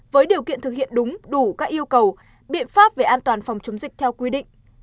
với điều kiện thực hiện đúng đủ các yêu cầu biện pháp về an toàn phòng chống dịch theo quy định